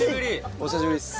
お久しぶりです